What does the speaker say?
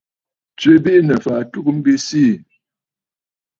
Tswe biʼinə̀ fàa ɨtugə mbi siì.